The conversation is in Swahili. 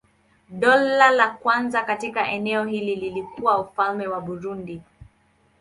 Dola la kwanza katika eneo hili lilikuwa Ufalme wa Burundi.